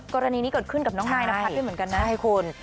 กรณีนี้เกิดขึ้นกับน้องนายนพัฒน์ด้วยเหมือนกันนะใช่คุณ